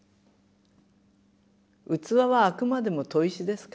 器はあくまでも砥石ですから。